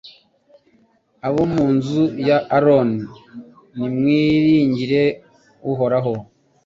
Abo mu nzu ya Aroni nimwiringire Uhoraho